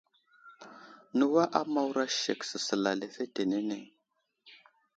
Newa a Mawra sek səsəla lefetenene.